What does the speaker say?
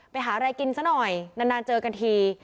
ไปหาอะไรกินซะหน่อยนานเจอกันที